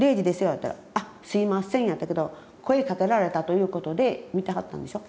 言われたら「あっすいません」やったけど声かけられたということで見てはったんでしょ。